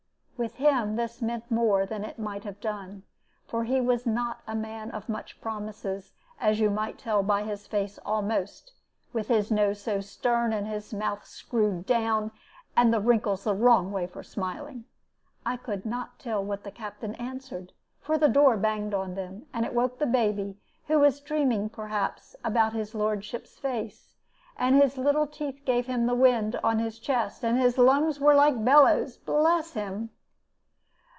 "With him this meant more than it might have done; for he was not a man of much promises, as you might tell by his face almost, with his nose so stern, and his mouth screwed down, and the wrinkles the wrong way for smiling. I could not tell what the Captain answered, for the door banged on them, and it woke the baby, who was dreaming, perhaps, about his lordship's face, and his little teeth gave him the wind on his chest, and his lungs was like bellows bless him!